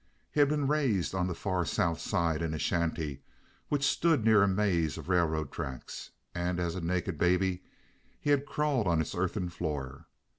He had been raised on the far South Side in a shanty which stood near a maze of railroad tracks, and as a naked baby he had crawled on its earthen floor.